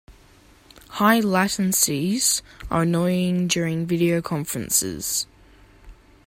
High latencies are annoying during video conferences.